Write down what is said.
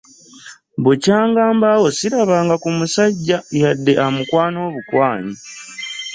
Bukyanga mbawo sirabanga ku musajja yadde amukwana obukwanyi.